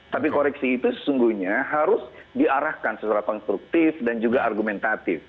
tapi koreksi itu sesungguhnya harus diarahkan secara konstruktif dan juga argumentatif